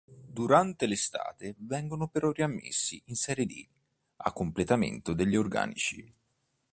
Durante l'estate vengono però riammessi in Serie D a completamento degli organici.